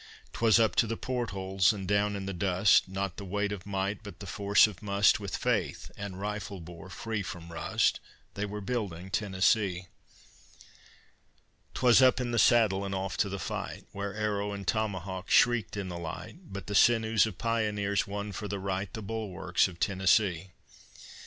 'Twas up to the port holes and down in the dust, Not the weight of might, but the force of must, With faith and rifle bore free from rust, They were building Tennessee. 'Twas up in the saddle and off to the fight, Where arrow and tomahawk shrieked in the light; But the sinews of pioneers won for the right, The bulwarks of Tennessee.